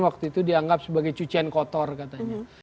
waktu itu dianggap sebagai cucian kotor katanya